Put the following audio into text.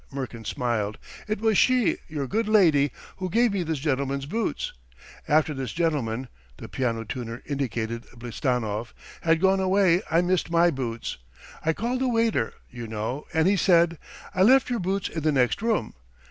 ..." Murkin smiled. "It was she, your good lady, who gave me this gentleman's boots. ... After this gentleman " the piano tuner indicated Blistanov "had gone away I missed my boots. ... I called the waiter, you know, and he said: 'I left your boots in the next room!'